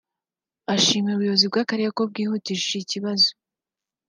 ashimira ubuyobozi bw’akarere ko bwihutishije ikibazo